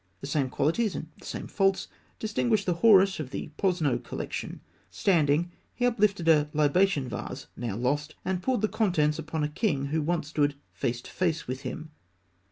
The same qualities and the same faults distinguish the Horus of the Posno collection (fig. 280). Standing, he uplifted a libation vase; now lost, and poured the contents upon a king who once stood face to face with him.